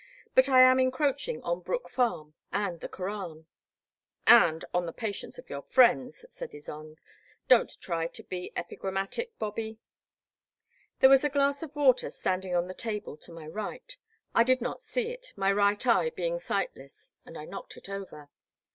But I am en croaching on Brook Farm, — and the Koran 'And on the patience of your friends, said Ysonde; don*t try to be epigrammatic, Bobby.*' There was a glass of water standing on a table to my right. I did not see it, my right eye being sightless, and I knocked it over.